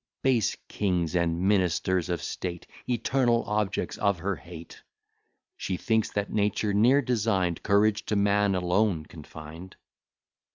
Base kings, and ministers of state, Eternal objects of her hate! She thinks that nature ne'er design'd Courage to man alone confined.